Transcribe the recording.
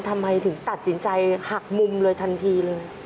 ทำไมถึงตัดสินใจหักมุมเลยทันทีเลย